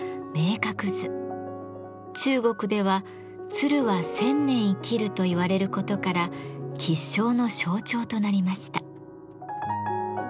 中国では「鶴は１，０００年生きる」と言われることから吉祥の象徴となりました。